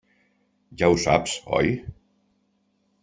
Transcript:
Ja ho saps, oi?